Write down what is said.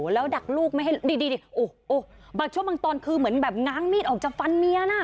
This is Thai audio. แล้วดักลูกไม่ให้ดีโอ้โหบางช่วงบางตอนคือเหมือนแบบง้างมีดออกจะฟันเมียน่ะ